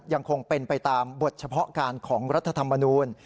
ยังคงเป็นไปตามบทเฉพาะการของรัฐธรรมนูล